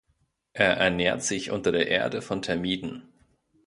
Er ernährt sich unter der Erde von Termiten.